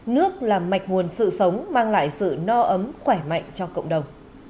nước là mạch nguồn sự sống mang lại sự no ấm khỏe mạnh cho cậu